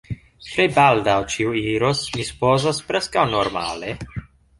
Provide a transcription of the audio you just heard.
tre baldaŭ ĉio iros, mi supozas, preskaŭ normale.